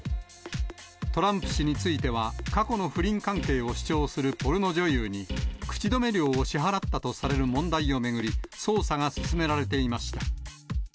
トランプ氏については、過去の不倫関係を主張するポルノ女優に、口止め料を支払ったとされる問題を巡り、捜査が進められていました。